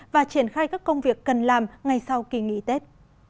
và triển khai các công việc cần làm ngay sau kỳ nghỉ tết